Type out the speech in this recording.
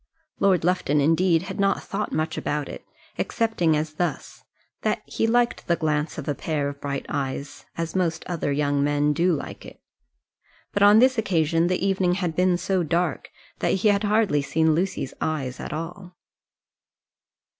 Lord Lufton, indeed, had not thought much about it excepting as thus, that he liked the glance of a pair of bright eyes, as most other young men do like it. But, on this occasion, the evening had been so dark, that he had hardly seen Lucy's eyes at all.